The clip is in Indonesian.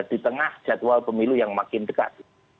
di tengah jadwal pemilu yang makin dekat